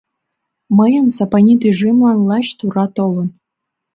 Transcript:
Мыйын Сапани тӱжемлан лач тура толын.